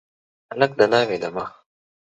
هلک د ناوي د مخ